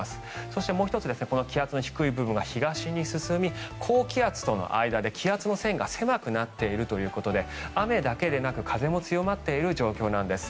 そして、もう１つ気圧の低い部分が東に進み高気圧との間で気圧の線が狭くなっているということで雨だけでなく風も強まっている状況なんです。